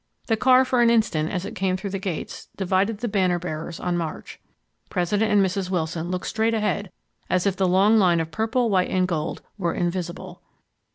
The car for an instant, as it came through the gates, divided the banner bearers on march. President and Mrs. Wilson looked straight ahead as if the long line of purple, white and gold were invisible.